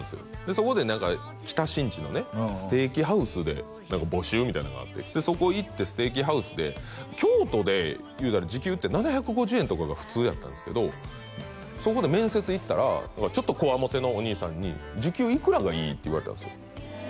そこで何か北新地のねステーキハウスで募集みたいなんがあってそこ行ってステーキハウスで京都でいうたら時給って７５０円とかが普通やったんですけどそこで面接行ったらちょっとこわもてのお兄さんに「時給いくらがいい？」って言われたんですよ